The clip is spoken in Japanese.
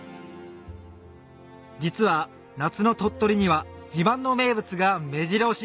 実は夏の鳥取には自慢の名物がめじろ押し